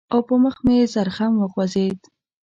او مخ په زرخم وخوځېد.